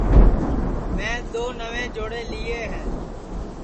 میں دؔو نئوے جوڑے لئیے ہے